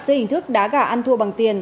xây hình thức đá gà ăn thua bằng tiền